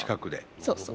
そうそう。